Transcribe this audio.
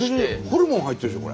ホルモン入ってるでしょ